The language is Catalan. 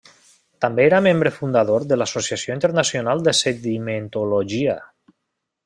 També era membre fundador de l'Associació Internacional de Sedimentologia.